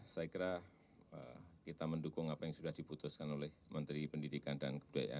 saya kira kita mendukung apa yang sudah diputuskan oleh menteri pendidikan dan kebudayaan